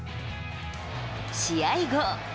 試合後。